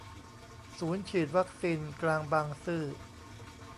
ศูนย์ฉีดวัคซีนกลางบางซื่อ